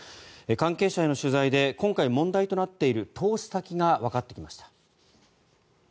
関係者への取材で今回問題となっている投資先がわかってきました。